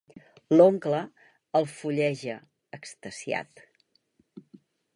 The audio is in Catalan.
L'oncle el fulleja, extasiat.